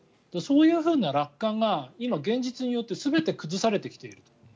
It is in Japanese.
そういうような楽観が今、現実によって全て崩されてきていると。